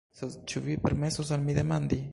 Sed ĉu vi permesos al mi demandi.